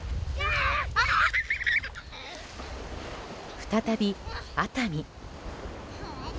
再び熱海。